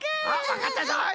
わかったぞい！